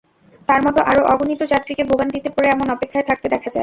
তাঁর মতো আরও অগণিত যাত্রীকে ভোগান্তিতে পড়ে এমন অপেক্ষায় থাকতে দেখা যায়।